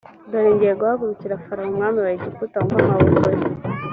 dore ngiye guhagurukira farawo umwami wa egiputa mvune amaboko ye